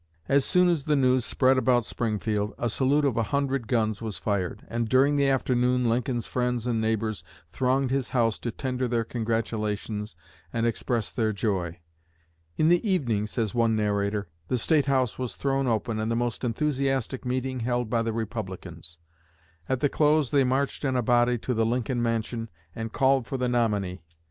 As soon as the news spread about Springfield a salute of a hundred guns was fired, and during the afternoon Lincoln's friends and neighbors thronged his house to tender their congratulations and express their joy. "In the evening," says one narrator, "the State House was thrown open and a most enthusiastic meeting held by the Republicans. At the close they marched in a body to the Lincoln mansion and called for the nominee. Mr.